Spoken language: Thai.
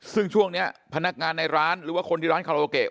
ซึ่งช่วงนี้พนักงานในร้านหรือว่าคนที่ร้านคาราโอเกะ